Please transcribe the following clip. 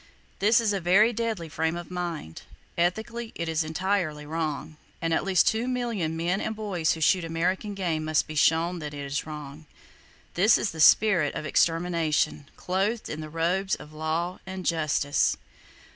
This is a very deadly frame of mind. Ethically it is entirely wrong; and at least two million men and boys who shoot American game must be shown that it is wrong! This is the spirit of Extermination, clothed in the robes of Law and Justice.